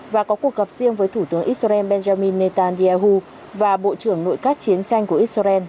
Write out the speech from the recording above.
và có cuộc gặp riêng với thủ tướng israel benjamin netanyahu và bộ trưởng nội các chiến tranh của israel